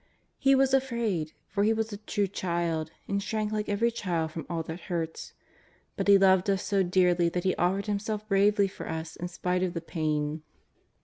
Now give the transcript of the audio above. He was afraid, for He was a true child, and shrank like every child from all that hurts. But He loved us so dearly that He offered Himself bravely for us in spite of the pain.